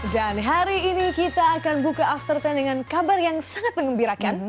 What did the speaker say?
dan hari ini kita akan buka after sepuluh dengan kabar yang sangat mengembirakan